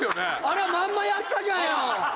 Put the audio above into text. あれはまんまやったじゃんよ。